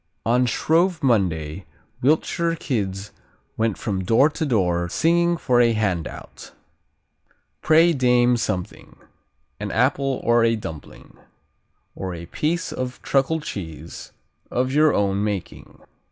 On Shrove Monday Wiltshire kids went from door to door singing for a handout: Pray, dame, something, An apple or a dumpling, Or a piece of Truckle cheese Of your own making.